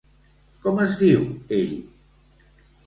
Com es diu ell?